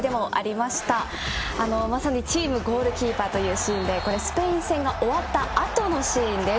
まさにチームゴールキーパーというシーンでスペイン戦が終わったあとのシーンです。